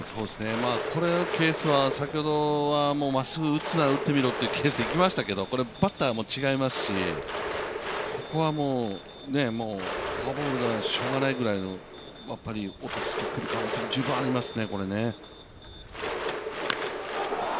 このケースは、先ほどはまっすぐ、打つなら打ってみろというケースでしたけれどもバッターも違いますし、ここはフォアボールでもしようがないぐらいに落とす可能性も十分ありますね。